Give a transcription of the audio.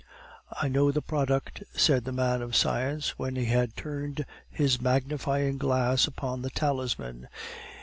"I know the product," said the man of science, when he had turned his magnifying glass upon the talisman.